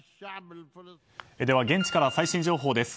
では、現地から最新情報です。